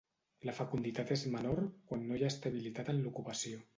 La fecunditat és menor quan no hi ha estabilitat en l'ocupació.